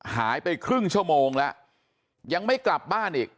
หายไปครึ่งชั่วโมงแล้วยังไม่กลับบ้านอีก